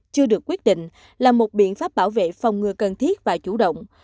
chưa được quyết định là một biện pháp bảo vệ phòng ngừa cần thiết và chủ động